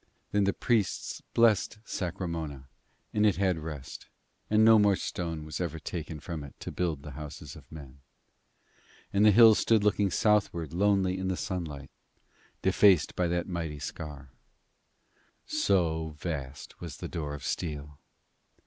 Then the priests blessed Sacremona, and it had rest, and no more stone was ever taken from it to build the houses of men. And the hill stood looking southwards lonely in the sunlight, defaced by that mighty scar. So vast was the door of steel.